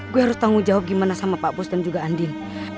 gue harus tanggung jawab gimana sama pak bos dan juga andin